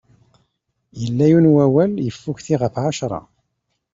Illa yiwen n wawal, iffukti ɣef ɛecṛa.